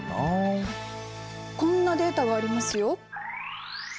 こんなデータがありますよ。